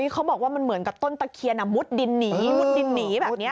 เขาบอกว่ามันเหมือนกับต้นตะเคียนอะมุดดินนีแบบนี้ค่ะ